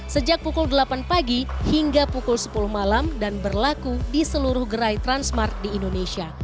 sejak pukul delapan pagi hingga pukul sepuluh malam dan berlaku di seluruh gerai transmart di indonesia